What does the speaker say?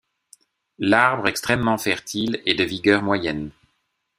L'arbre extrêmement fertile est de vigueur moyenne.